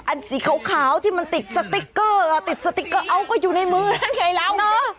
อันสีขาวที่มันติดสติ๊กเกอร์ติดสติกเกอร์เอาอยู่ในมื้อนั้นไงแล้ว